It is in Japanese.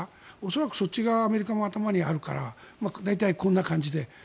恐らくそっち側がアメリカも頭にあるから大体こんな感じで。